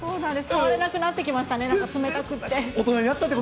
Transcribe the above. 触れなくなってきましたね、冷たくって。